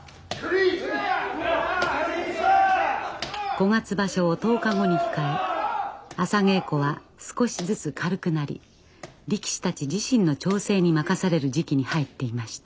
五月場所を１０日後に控え朝稽古は少しずつ軽くなり力士たち自身の調整に任される時期に入っていました。